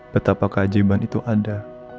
betapa keajaiban itu ada